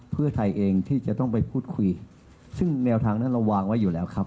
เพื่อไทยเองที่จะต้องไปพูดคุยซึ่งแนวทางนั้นเราวางไว้อยู่แล้วครับ